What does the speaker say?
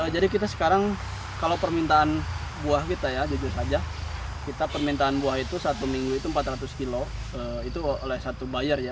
jadi kita sekarang kalau permintaan buah kita ya jujur saja kita permintaan buah itu satu minggu itu empat ratus kilo itu oleh satu buyer ya